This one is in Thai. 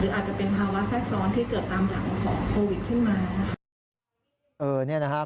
อาจจะเป็นภาวะแทรกซ้อนที่เกิดตามหลังของโควิดขึ้นมา